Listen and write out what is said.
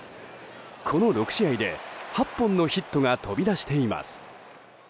この６試合で８本のヒットが飛び出しています。